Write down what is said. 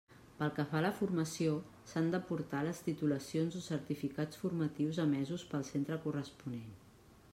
Pel que fa a la formació, s'han d'aportar les titulacions o certificats formatius emesos pel centre corresponent.